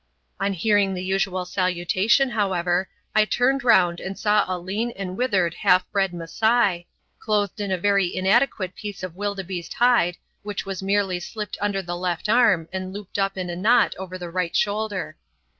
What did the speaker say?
On hearing the usual salutation, however, I turned round and saw a lean and withered half bred Masai, clothed in a very inadequate piece of wildebeeste hide which was merely slipped under the left arm and looped up in a knot over the right shoulder.